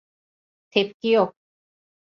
Tepki yok.